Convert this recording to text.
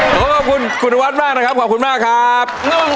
ขอขอบคุณคุณวัดมากนะครับขอบคุณมากครับ